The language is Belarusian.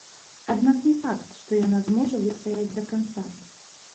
Аднак не факт, што яна зможа выстаяць да канца.